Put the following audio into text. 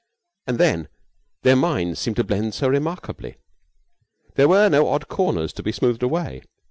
And then their minds seemed to blend so remarkably. There were no odd corners to be smoothed away.